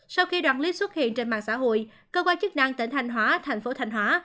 sau khi đoạn clip xuất hiện trên mạng xã hội cơ quan chức năng tỉnh thanh hóa thành phố thanh hóa